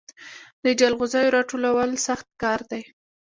د جلغوزیو راټولول سخت کار دی